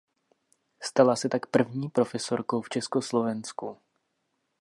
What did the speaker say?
Stala se tak první profesorkou v Československu.